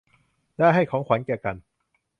ได้ให้ของขวัญแก่กัน